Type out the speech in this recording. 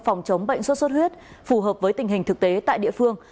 phòng chống bệnh sốt xuất huyết phù hợp với tình hình thực tế tại địa phương